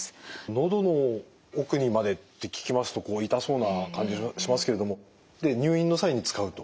喉の奥にまでって聞きますとこう痛そうな感じしますけれどもで入院の際に使うと。